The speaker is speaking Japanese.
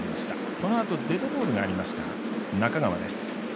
そのあと、デッドボールがありました、中川です。